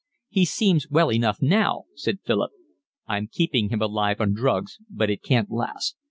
"He seems well enough now," said Philip. "I'm keeping him alive on drugs, but it can't last.